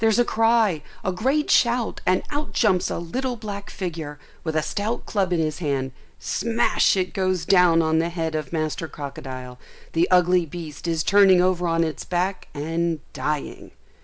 There's a cry, a great shout, and out jumps a little black figure, with a stout club in his hand: smash it goes down on the head of master crocodile; the ugly beast is turning over on its back and dying.